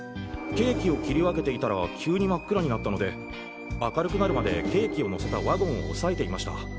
ケーキを切り分けていたら急に真っ暗になったので明るくなるまでケーキをのせたワゴンを押さえていました。